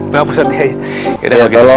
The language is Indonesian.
ya ya baik baik assalamualaikum waalaikumsalam